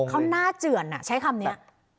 เขาหน้าเจือนใช้คำนี้